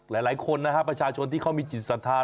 หลายคนนะครับประชาชนที่เขามีจิตสันทาน